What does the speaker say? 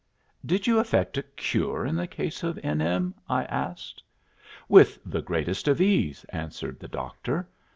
'" "Did you effect a cure in the case of N. M.?" I asked. "With the greatest of ease," answered the doctor.